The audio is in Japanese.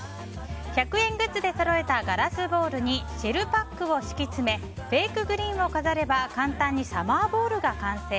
１００円グッズでそろえたガラスボウルにシェルパックを敷き詰めフェイクグリーンを飾れば簡単にサマーボウルが完成。